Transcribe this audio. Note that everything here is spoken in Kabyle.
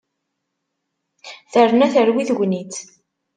Terna terwi tegnit.